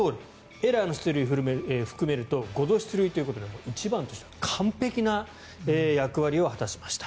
エラーの出塁を含めると５度出塁ということで１番としては完璧な役割を果たしました。